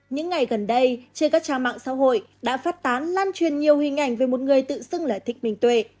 những ngày gần đây trên các trang mạng xã hội đã phát tán lan truyền nhiều hình ảnh về một người tự xưng là thị minh tuệ